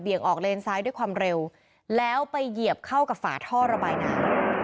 ออกเลนซ้ายด้วยความเร็วแล้วไปเหยียบเข้ากับฝาท่อระบายน้ำ